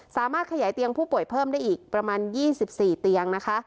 สามารถขยายเตียงผู้ป่วยเพิ่มได้อีกประมาณ๒๔เตียงนะคะ